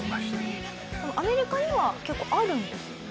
アメリカには結構あるんですよね？